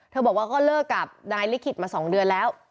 เธอบอกก็เลิกกับไนลิขิตมาสองเดือนแล้ว